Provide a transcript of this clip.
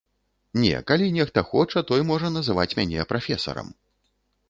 Не, калі нехта хоча, той можа называць мяне прафесарам.